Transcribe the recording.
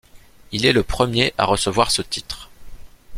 Il est le premier à recevoir ce titre.